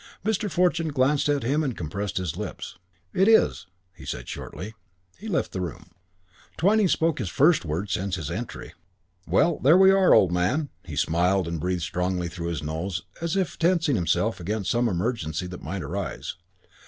Mr. Fortune glanced sharply at him and compressed his lips. "It is," he said shortly. He left the room. IV Twyning spoke his first words since his entry. "Well, there we are, old man." He smiled and breathed strongly through his nose, as if tensing himself against some emergency that might arise.